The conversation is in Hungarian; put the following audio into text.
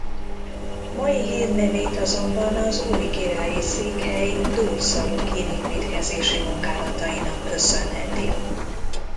Mai hírnevét azonban az új királyi székhely Dúr-Sarrukín építkezési munkálatainak köszönheti.